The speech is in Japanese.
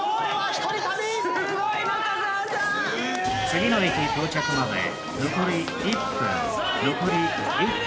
次の駅到着まで残り１分残り１分。